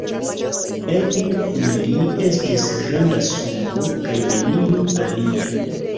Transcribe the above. En ili estis granda sumo kaj nenio alia.